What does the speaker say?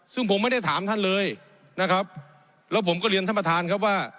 ซึ่งผมไม่ได้ถามท่านเลยนะครับแล้วผมก็เรียนท่านประธานครับว่า